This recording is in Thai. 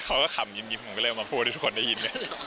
คำยิ้มผมก็เลยเอามาพูดให้ทุกคนได้ยิน